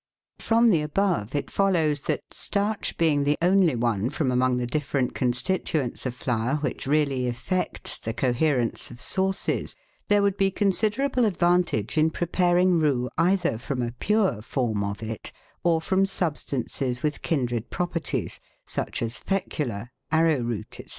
From the above it follows that, starch being the only one from among the different constituents of flour which really effects the coherence of sauces, there would be considerable advantage in preparing roux either from a pure form of it, or from substances with kindred properties, such as fecula, arrow root, &c.